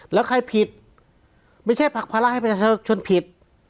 แล้วใครผิดไม่ใช่ผลักภาระให้ประชาชนผิด